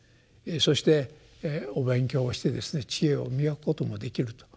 そしてお勉強をしてですね智慧を磨くこともできると。